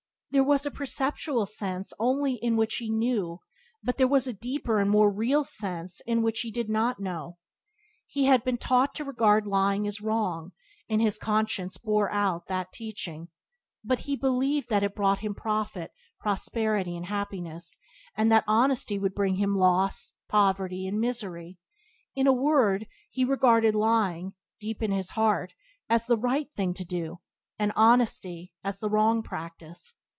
There was a perceptual sense only in which he knew, but there was a deeper and more real sense in which he did not know. He had been taught to regard lying as wrong, and his conscience bore out that teaching, but he believed that it brought to him profit, prosperity and happiness, and that honesty would bring him loss, poverty, and misery — in a word, he regarded lying, deep in his heart, as the right thing to do, and honesty as the wrong practice.